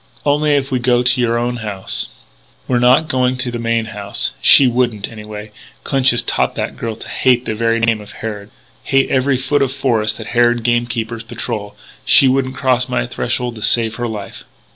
Only, if we go to your own house " "We're not going to the main house. She wouldn't, anyway. Clinch has taught that girl to hate the very name of Harrod hate every foot of forest that the Harrod game keepers patrol. She wouldn't cross my threshold to save her life."